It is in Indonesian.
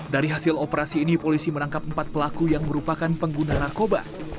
dari hasil operasi ini polisi menangkap empat pelaku yang merupakan pengguna narkoba